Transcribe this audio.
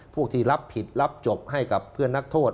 พวกที่รับผิดรับจบให้กับเพื่อนนักโทษ